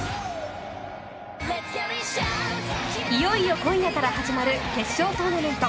いよいよ今夜から始まる決勝トーナメント。